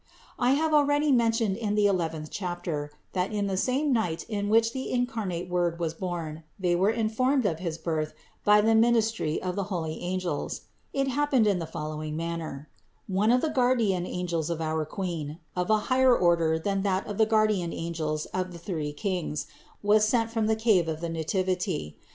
554. I have already mentioned in the eleventh chapter (No. 492) that in the same night in which the incarnate Word was born, they were informed of his Birth by the ministry of the holy angels. It happened in the follow ing manner: one of the guardian angels of our Queen, of a higher order than that of the guardian angels of the three kings, was sent from the cave of the Nativity.